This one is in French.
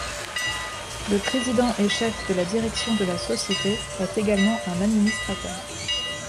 Le président et chef de la direction de la Société est également un administrateur.